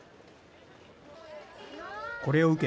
これを受け